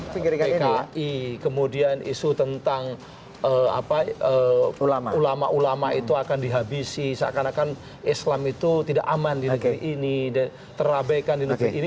pki kemudian isu tentang ulama ulama itu akan dihabisi seakan akan islam itu tidak aman di negeri ini terabaikan di negeri ini